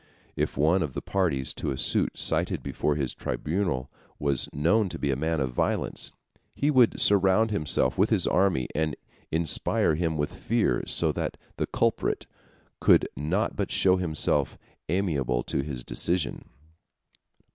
If one of the parties to a suit cited before his tribunal was known to be a man of violence, he would surround himself with his army and inspire him with fear, so that the culprit could not but show himself amenable to his decision.